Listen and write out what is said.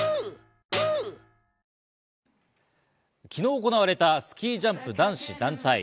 昨日、行われたスキージャンプ男子団体。